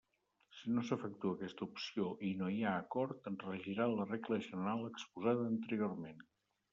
Si no s'efectua aquesta opció i no hi ha acord regirà la regla general exposada anteriorment.